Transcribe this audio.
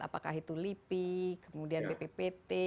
apakah itu lipi kemudian bppt